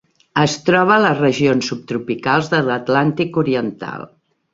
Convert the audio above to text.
Es troba a les regions subtropicals de l'Atlàntic oriental.